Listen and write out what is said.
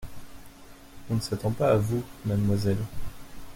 On ne s’attend pas à vous, mademoiselle.